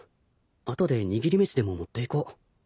後でにぎり飯でも持っていこう。